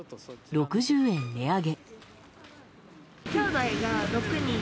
６０円値上げ。